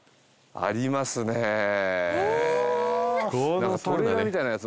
ありますねぇ。